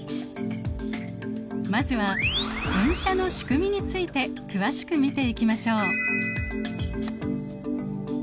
まずは転写の仕組みについて詳しく見ていきましょう。